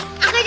ini kak adam